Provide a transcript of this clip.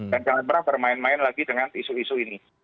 dan jangan pernah bermain main lagi dengan isu isu ini